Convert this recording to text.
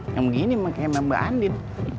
yang begini mah kayaknya mbak andin